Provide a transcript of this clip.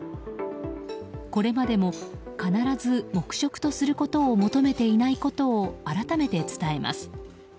これまでも必ず黙食とすることを求めていないことを改めて伝えます。